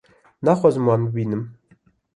naxwazim wan bibînim